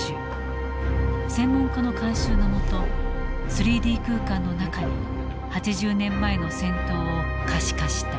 専門家の監修の下３Ｄ空間の中に８０年前の戦闘を可視化した。